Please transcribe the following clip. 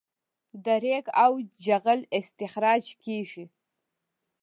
د ریګ او جغل استخراج کیږي